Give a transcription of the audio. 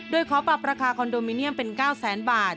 โดยขอปรับราคาคอนโดมิเนียมเป็น๙แสนบาท